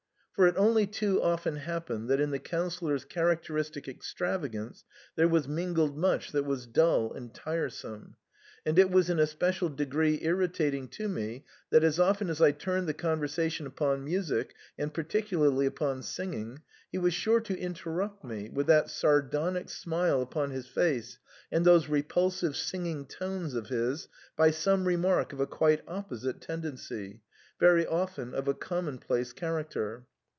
For it only too often happened that in the Councillor's characteristic extravagance there was min gled much that was dull and tiresome ; and it was in a special degree irritating to me that, as often as I turned the conversation upon music, and particularly upon singing, he was sure to interrupt me, with that sardonic smile upon his face and those repulsive singing tones of his, by some remark of a quite opposite tendency, very often of a commonplace character.